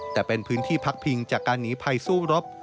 แต่เป็นพื้นที่พักพิงจากการหนีภัยสู้รบ